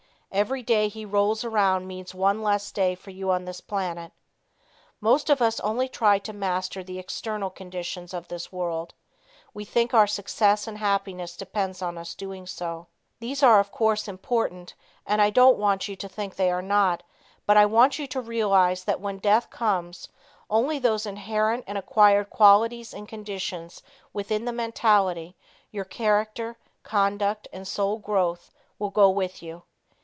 Every day he rolls around means one less day for you on this planet. Most of us only try to master the external conditions of this world. We think our success and happiness depends on us doing so. These are of course important and I don't want you to think they are not, but I want you to realize that when death comes, only those inherent and acquired qualities and conditions within the mentality your character, conduct and soul growth will go with you.